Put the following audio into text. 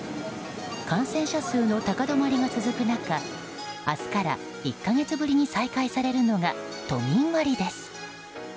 感染者数の高止まりが続く中明日から１か月ぶりに再開されるのが都民割です。